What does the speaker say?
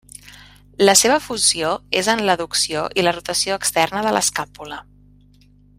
La seva funció és en l'adducció i la rotació externa de l'escàpula.